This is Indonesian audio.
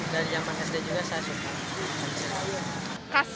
dan yang manisnya juga saya suka